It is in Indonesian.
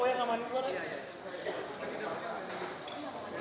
yang tentang apa